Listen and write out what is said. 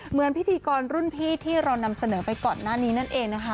พิธีกรรุ่นพี่ที่เรานำเสนอไปก่อนหน้านี้นั่นเองนะคะ